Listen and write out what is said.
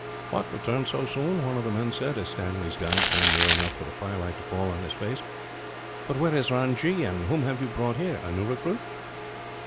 "What, returned so soon!" one of the men said, as Stanley's guide came near enough for the firelight to fall on his face; "but where is Ranji, and whom have you brought here a new recruit?"